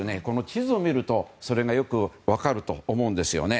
地図を見るとそれがよく分かると思うんですよね。